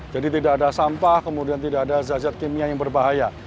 jadi tidak ada sampah kemudian tidak ada zat zat kimia yang berbahaya